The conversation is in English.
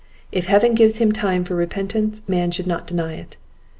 If Heaven gives him time for repentance, man should not deny it.